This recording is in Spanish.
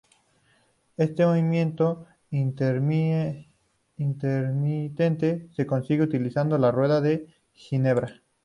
Este movimiento intermitente se consigue utilizando la rueda de Ginebra.